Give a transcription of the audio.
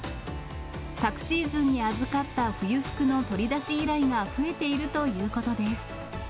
昨シーズンに預かった、冬服の取り出し依頼が増えているということです。